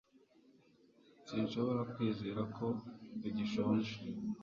Sinshobora kwizera ko ugishonje